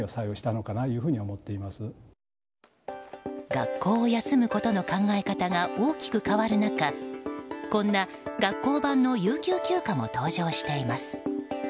学校を休むことの考え方が大きく変わる中こんな学校版の有給休暇も登場しています。